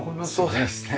そうですね。